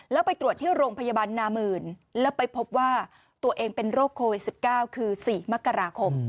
แล้วไปตรวจที่โรงพยาบาลนามื่นแล้วไปพบว่าตัวเองเป็นโรคโควิด๑๙คือ๔มกราคม